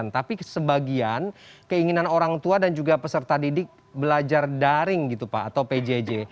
tapi sebagian keinginan orang tua dan juga peserta didik belajar daring gitu pak atau pjj